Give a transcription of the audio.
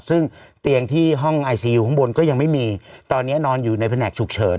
ซึ่งเตียงที่ห้องไอซียูข้างบนก็ยังไม่มีตอนนี้นอนอยู่ในแผนกฉุกเฉิน